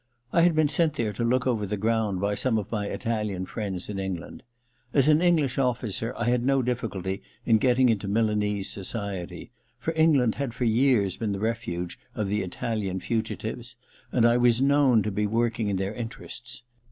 I had been sent there to look over the ground by some of my Italian friends in England. As an English officer I had no difficulty in getting into Milanese society, for England had for years been the refuge of the Italian fugitives, and I was known to be working in their in terests.